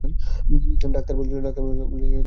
Doctor বলেছে, দুই মাস হলো।